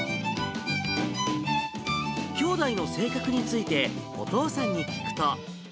兄弟の性格について、お父さんに聞くと。